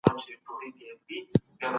قدرت بايد انسان ته غرور ور نهکړي.